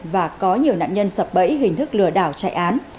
và có nhiều nạn nhân sập bẫy hình thức lừa đảo chạy án